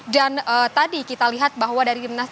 dan tadi kita lihat bahwa dari tim nas amin ini